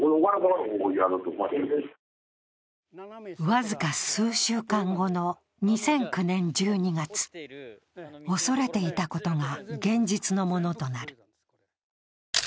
僅か数週間後の２００９年１２月、恐れていたことが現実のものとなる。